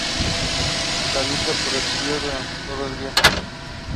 La lucha prosiguió durante todo el día.